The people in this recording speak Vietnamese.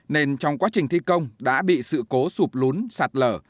nên trong quá trình thi công đã bị sự cố sụp lún sạt lở